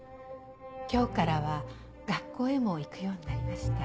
今日からは学校へも行くようになりました。